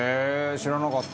知らなかった」